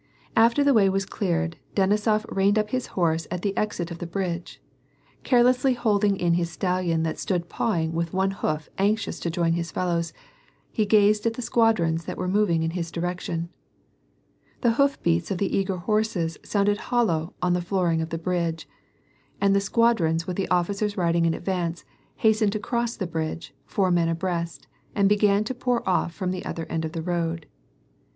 A.fter the way was cleared, Denisof reined up his horse at the exit of the bridge. Carelessly holding in his stallion, that stood pawing with one hoof anxious to join his fellows, he gazed at the squadrons that were moving in his direction. The hoof beats of the eager horses sounded hollow on the floor ing of the bridge, and the squadrons with the otticers riding in advance, hastened across the bridge, four men abreast, and began to pour off from the other end.